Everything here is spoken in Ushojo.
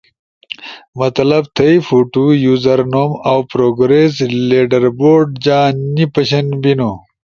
مطلب تھئی فوتو، یوزر نوم اؤ پروگریس لیڈربورڈ جا نی پشن بینو